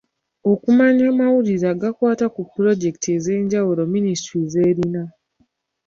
Okumanya amawulire agakwata ku pulojekiti ez'enjawulo Minisitule z'erina.